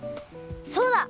そうだ！